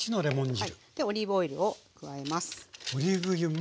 オリーブオイルを加えます。